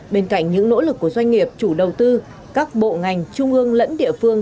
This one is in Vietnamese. bên cạnh những nỗ lực của doanh nghiệp chủ đầu tư các bộ ngành trung ương lẫn địa phương